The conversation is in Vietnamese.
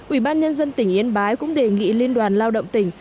ủy ban nhân dân tỉnh yên bái cũng đề nghị liên đoàn lao động tỉnh